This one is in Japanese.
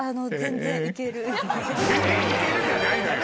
「いける」じゃないのよ。